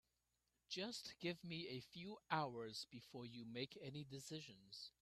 Just give me a few hours before you make any decisions.